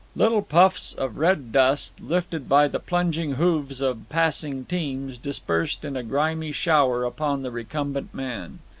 Little puffs of red dust, lifted by the plunging hoofs of passing teams, dispersed in a grimy shower upon the recumbent man.